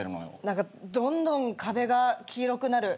何かどんどん壁が黄色くなる。